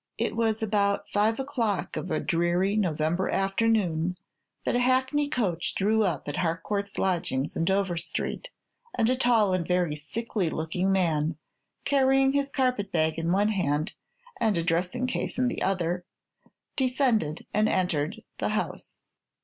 It was about five o'clock of a dreary November afternoon that a hackney coach drew op at Harcourt's lodgings in Dover Street, and a tall and very sickly looking man, carrying his carpet bag in one hand and a dressing case in the other, descended and entered the house.